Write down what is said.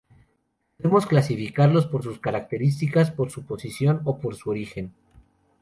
Podemos clasificarlos por sus características, por su posición o por su origen.